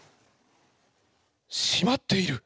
しまっている！